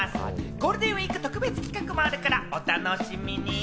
ゴールデンウイーク特別企画もあるから、お楽しみに！